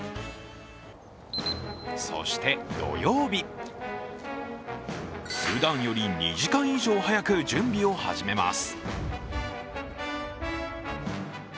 そして土曜日、ふだんより２時間以上早く準備を始めます。